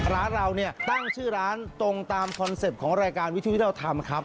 ร้านเราเนี่ยตั้งชื่อร้านตรงตามคอนเซ็ปต์ของรายการวิทยุที่เราทำครับ